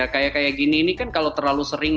kayak gini gini kan kalau terlalu sering